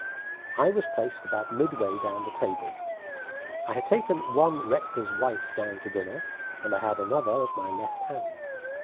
I was placed about midway down the table. I had taken one rector's wife down to dinner, and I had another at my left hand.